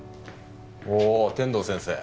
お天堂先生